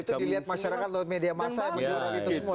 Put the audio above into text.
itu dilihat masyarakat media massa yang mendorong itu semua